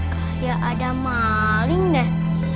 kayak ada maling deh